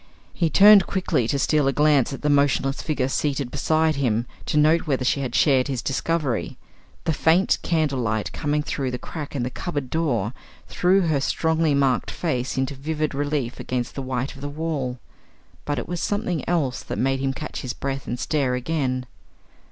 He turned quickly to steal a glance at the motionless figure seated beside him, to note whether she had shared his discovery. The faint candle light coming through the crack in the cupboard door, threw her strongly marked face into vivid relief against the white of the wall. But it was something else that made him catch his breath and stare again.